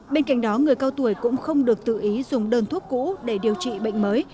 bên cạnh đó người cao tuổi cũng không được tự ý dùng đơn thuốc cũ để điều trị bệnh mới